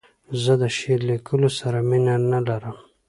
زه د شعر لیکلو سره مینه نه لرم.